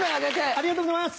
ありがとうございます！